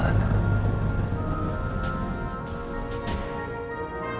sampai jumpa lagi